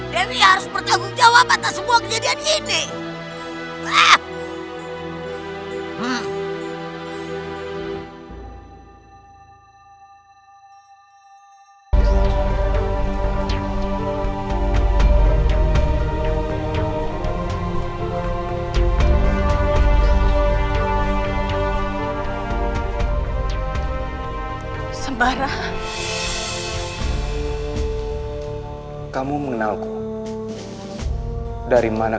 dewi harus bertanggung jawab atas semua kejadian ini